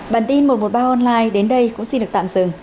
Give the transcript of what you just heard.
bản tin một trăm một mươi ba online đến đây cũng xin được tạm dừng